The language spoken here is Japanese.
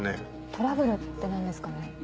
トラブルって何ですかね？